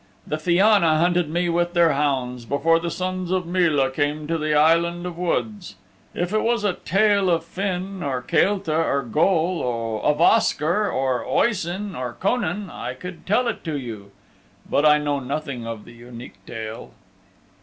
The Fianna hunted me with their hounds before the Sons of Mile' came to the Island of Woods. If it was a Tale of Finn or Caelta or Goll, of Oscar or Oisin or Conan, I could tell it to you. But I know nothing of the Unique Tale."